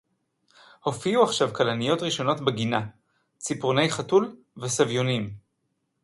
הוֹפִיעוּ עַכְשָׁו כַּלָּנִיּוֹת רִאשׁוֹנוֹת בַּגִּנָּה, צִפָּרְנֵי חָתוּל וְסַבְיוֹנִים